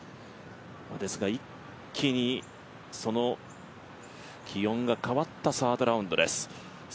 一気にその気温が変わったサードラウンドです。